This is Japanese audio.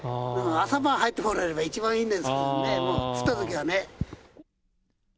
朝晩入ってもらえれば、一番いいんですけどね、降ったときはね。